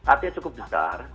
artinya cukup besar